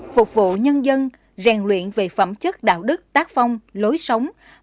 phục vụ nhân dân rèn luyện về phẩm chất đạo đức tác phong lối sống hoàn thành xuất sắc nhiệm vụ chính trị